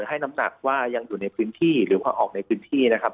ให้น้ำหนักว่ายังอยู่ในพื้นที่หรือว่าออกในพื้นที่นะครับ